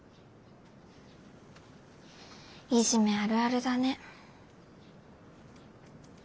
いじめあるあるだね。